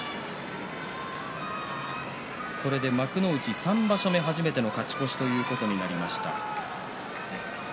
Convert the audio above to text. これで幕内３場所目初めての勝ち越しということになりました水戸龍です。